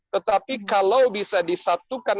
tetapi kalau bisa disatukan